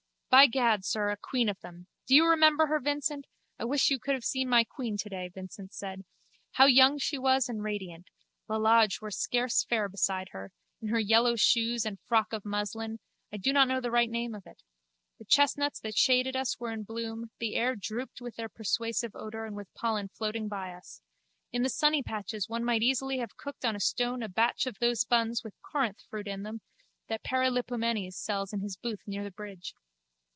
By gad, sir, a queen of them. Do you remember her, Vincent? I wish you could have seen my queen today, Vincent said. How young she was and radiant (Lalage were scarce fair beside her) in her yellow shoes and frock of muslin, I do not know the right name of it. The chestnuts that shaded us were in bloom: the air drooped with their persuasive odour and with pollen floating by us. In the sunny patches one might easily have cooked on a stone a batch of those buns with Corinth fruit in them that Periplipomenes sells in his booth near the bridge.